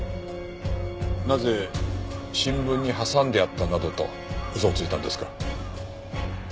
なぜ新聞に挟んであったなどと嘘をついたんですか？